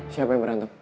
siapa yang berantem